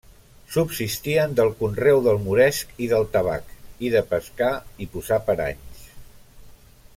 Subsistien del conreu del moresc i del tabac, i de pescar i posar paranys.